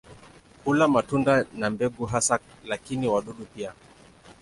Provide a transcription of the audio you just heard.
Hula matunda na mbegu hasa lakini wadudu pia.